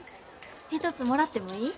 一つもらってもいい？